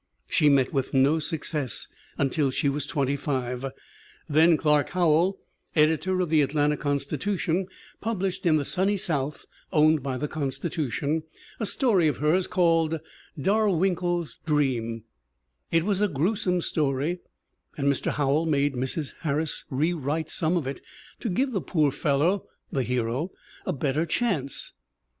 She met with no success until she was 25. Then Clark Howell, editor of the Atlanta Constitution, pub 156 THE WOMEN WHO MAKE OUR NOVELS lished in the Sunny South (owned by the Constitution) a story of hers called Darwinkle's Dream. It was a gruesome story and Mr. Howell made Mrs. Har ris rewrite some of it to "give the poor fellow [the hero] a better chance."